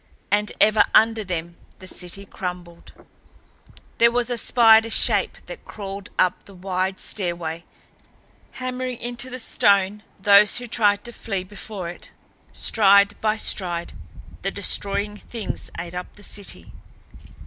And ever under them the city crumbled. There was a spider Shape that crawled up the wide stairway hammering into the stone those who tried to flee before it. Stride by stride the Destroying Things ate up the city.